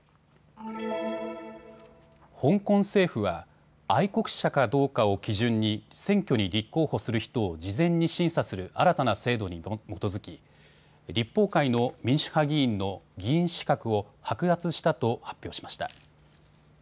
香港政府は愛国者かどうかを基準に選挙に立候補する人を事前に審査する新たな制度に基づき、立法会の民主派議員の議員資格を剥奪したと発表しました。